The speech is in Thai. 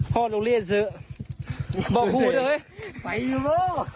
พอลงเรียนเสื้อ